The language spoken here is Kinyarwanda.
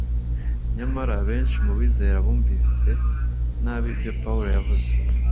nyamara benshi mu bizera bumvise nabi ibyo Pawulo yavuze,